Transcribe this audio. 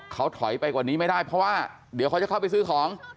เขาถอยไปกว่านี้ไม่ได้เพราะว่าเดี๋ยวเขาจะเข้าไปซื้อของ